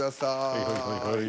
はいはいはいはい。